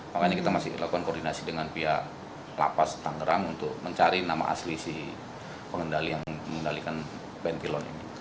makanya kita masih lakukan koordinasi dengan pihak lapas tangerang untuk mencari nama asli si pengendali yang mengendalikan pentilon ini